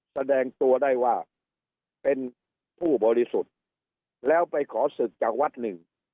แสดงตัวได้ว่าเป็นผู้บริสุทธิ์แล้วไปขอศึกจากวัดหนึ่ง